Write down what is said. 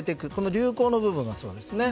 流行の部分がそうですね。